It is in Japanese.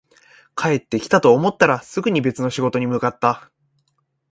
帰ってきたと思ったら、すぐに別の仕事に向かった